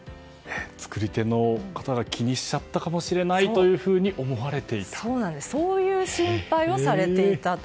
作り手の方が気にしちゃったかもしれないとそういう心配をされていたと。